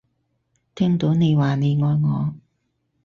聽到你話你愛我